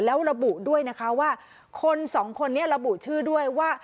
แล้วระบุด้วยนะคะว่าคนสองคนนี้ระบุชื่อด้วยว่า